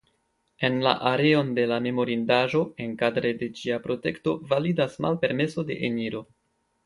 En la areon de la memorindaĵo enkadre de ĝia protekto validas malpermeso de eniro.